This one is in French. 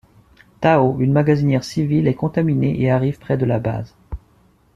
Tao, une magasinière civile est contaminé et arrive près de la base.